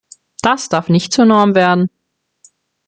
Das darf nicht zur Norm werden.